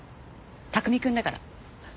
拓海くんだから。